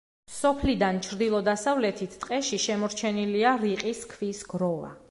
სოფლიდან ჩრდილო-დასავლეთით ტყეში შემორჩენილია რიყის ქვის გროვა.